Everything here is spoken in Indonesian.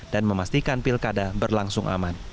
dan memastikan pilkada berlangsung aman